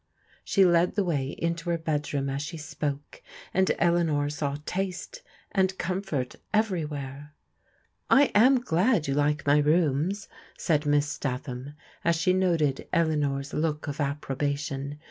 She led the way into her bedroom as she spoke, and Eleanor saw taste and comfort everywhere. " I am glad you like my rooms," said Miss Statham as she noted Eleanor's look of approbation.